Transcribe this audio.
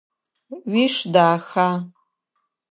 Уиш даха?